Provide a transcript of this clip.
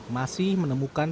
masih menemukan pengendaraan